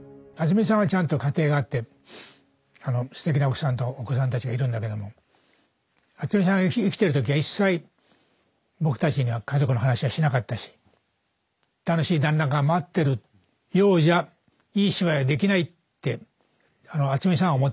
すてきな奥さんとお子さんたちがいるんだけども渥美さんは生きてる時は一切僕たちには家族の話はしなかったし楽しい団らんが待ってるようじゃいい芝居はできないってあの渥美さんは思ってたね。